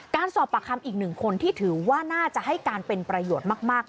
การสอบปากคำอีกหนึ่งคนที่ถือว่าน่าจะให้การเป็นประโยชน์มาก